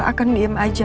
gue gak akan diem aja